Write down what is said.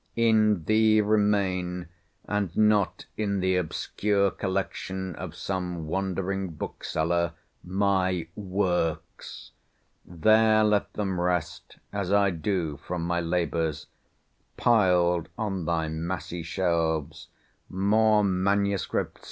In thee remain, and not in the obscure collection of some wandering bookseller, my "works!" There let them rest, as I do from my labours, piled on thy massy shelves, more MSS.